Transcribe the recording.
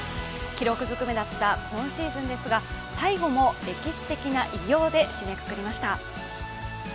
記録ずくめだった今シーズンですが、最後も歴史的な偉業で締めくくりました。